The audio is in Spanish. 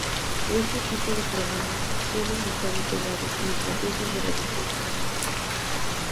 Este tipo de programas suelen estar integrados en estrategias de reducción de daños.